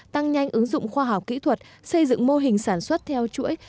tăng nhanh ứng dụng khoa học kỹ thuật xây dựng mô hình sản xuất theo chuỗi